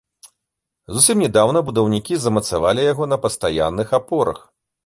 Зусім нядаўна будаўнікі замацавалі яго на пастаянных апорах.